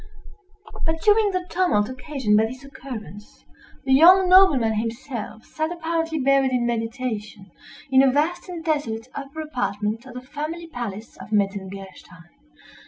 But during the tumult occasioned by this occurrence, the young nobleman himself sat apparently buried in meditation, in a vast and desolate upper apartment of the family palace of Metzengerstein.